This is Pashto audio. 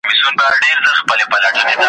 چي په ښکار به د مرغانو وو وتلی `